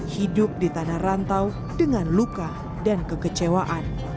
hidup di tanah rantau dengan luka dan kekecewaan